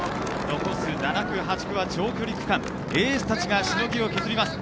残す７区、８区は長距離区間エースたちがしのぎを削ります。